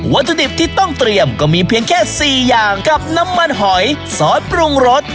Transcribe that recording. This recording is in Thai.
วัตถุดิบที่ต้องเตรียมก็มีเพียงแค่๔อย่างกับน้ำมันหอยซอสปรุงรส